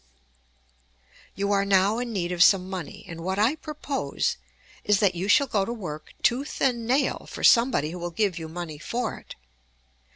You are now in need of some money; and what I propose is that you shall go to work "tooth and nail" for somebody who will give you money for it.